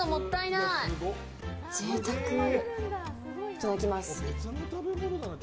いただきます。